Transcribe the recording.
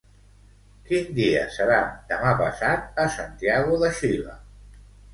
Quin dia serà demà passat a Santiago de Xile?